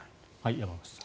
山口さん。